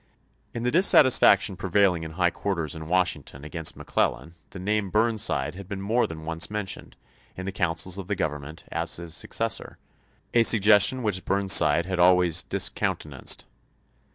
In the dissatisfaction prevailing in high quar ters in Washington against McClellan the name of Burnside had been more than once mentioned, in the councils of the Government, as his successor — a suggestion which Burnside had always discoun 196 FREDEKIOKSBUEG 197 tenanced.